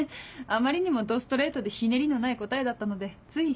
あまりにもどストレートでひねりのない答えだったのでつい。